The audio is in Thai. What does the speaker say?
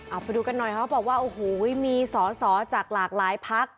เอาไปดูกันหน่อยครับแบบว่าโอ้โหมีศศจากหลากหลายภักษ์